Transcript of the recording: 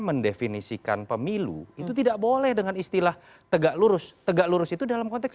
mendefinisikan pemilu itu tidak boleh dengan istilah tegak lurus tegak lurus itu dalam konteks